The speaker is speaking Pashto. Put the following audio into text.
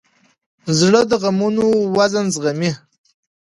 زړه د غمونو وزن زغمي.